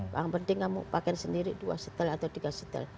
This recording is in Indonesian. yang penting kamu pakai sendiri dua setel atau tiga setel